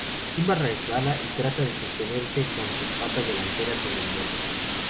Simba resbala y trata de sostenerse, con sus patas delanteras sobre el borde.